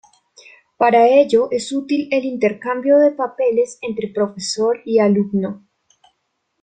Para ello es útil el intercambio de papeles entre profesor y alumno.